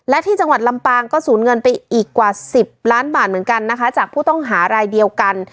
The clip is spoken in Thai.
และที่จังหวัดลำปางก็สูญเงินไปอีกกว่า๑๐ล้านบาทเหมือนกันนะคะจากผู้ต้องหารายเดียวกัน